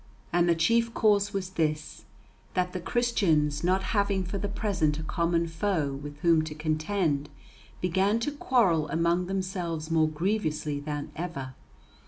And the chief cause was this, that the Christians, not having for the present a common foe with whom to contend, began to quarrel among themselves more grievously than ever.